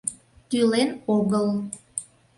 Тӱлен огыл.